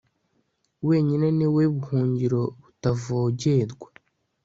wenyine ni we buhungiro butavogerwa